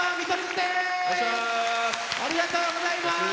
ありがとうございます。